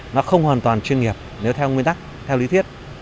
nó không hoàn toàn chuyên nghiệp nếu theo nguyên tắc theo lý thiết